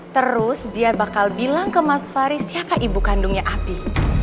terus dia bakal bilang ke mas fari siapa ibu kandungnya api